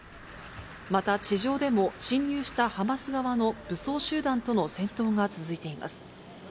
また、地上でも侵入したハマス側の武装集団との戦闘が続いています。